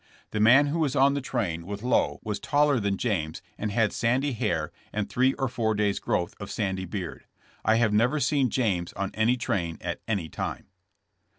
The man who was on the train with Lowe was taller than James and had sandy hair and three or four days growth of sandy beard. I have never seen James on any train at any time."